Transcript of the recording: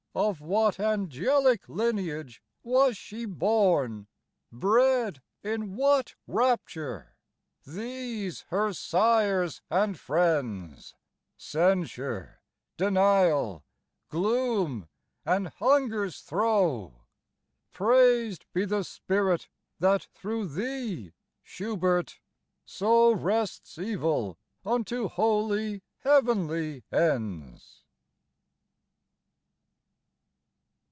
Of what angelic lineage was she born, Bred in what rapture? These her sires and friends: Censure, Denial, Gloom, and Hunger's throe. Praised be the Spirit that thro' thee, Schubert! so Wrests evil unto wholly heavenly ends.